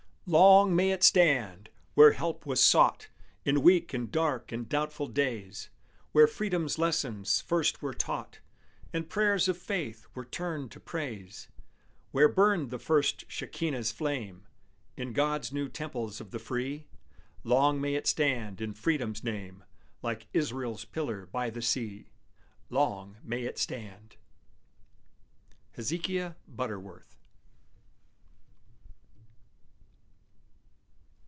Long may it stand! where help was sought In weak and dark and doubtful days: Where freedom's lessons first were taught, And prayers of faith were turned to praise; Where burned the first Shekinah's flame In God's new temples of the free; Long may it stand, in freedom's name, Like Israel's pillar by the sea! Long may it stand! HEZEKIAH BUTTERWORTH.